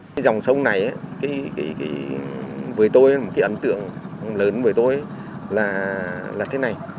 cái dòng sông này với tôi một cái ấn tượng lớn với tôi là thế này